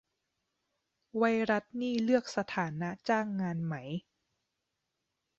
ไวรัสนี่เลือกสถานะจ้างงานไหม